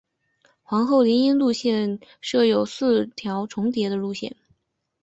皇后林荫路线设有四条重叠的路线。